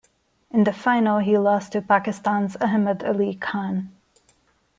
In the final he lost to Pakistan's Ahmed Ali Khan.